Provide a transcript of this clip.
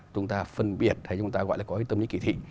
chúng ta phân biệt hay chúng ta gọi là có tâm lý kỷ thị